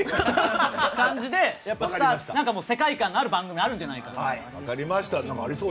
だから世界観のある番組になるんじゃないかと。